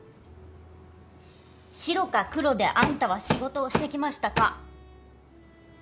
シロかクロであんたは仕事をしてきましたか？